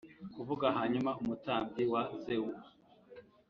Kuvuga hanyuma umutambyi wa zewu